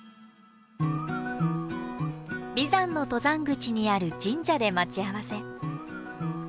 眉山の登山口にある神社で待ち合わせ。